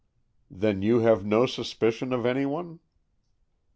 "Then you have no suspicion of any one?"